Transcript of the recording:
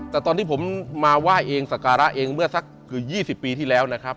แต่ตอนที่ผมมาว่ายเองสการะเองเมื่อสัก๒๐ปีที่แล้วนะครับ